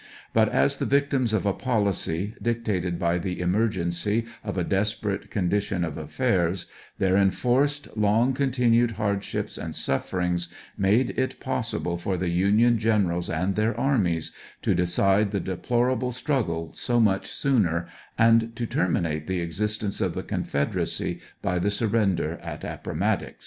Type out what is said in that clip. But as the victims of a policy, dictated by the emergency of a desperate condition of affairs, their enforced, long continued hardships and sufferings made it possible for the Union generals and their armies to decide the deplorable struggle so much sooner, and to terminate the existence of the Confederacy by the sur render at Appomatox.